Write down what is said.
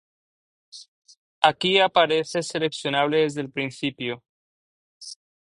Aquí aparece seleccionable desde el principio.